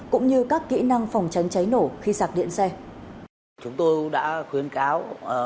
chúng tôi đã khuyên cáo